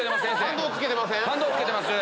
反動つけてます！